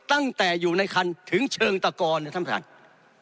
ตั้งแต่อยู่ในคันถึงเชิงตะกอนนะท่านประธาน